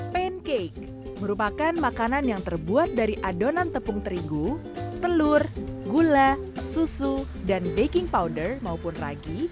pancake merupakan makanan yang terbuat dari adonan tepung terigu telur gula susu dan baking powder maupun ragi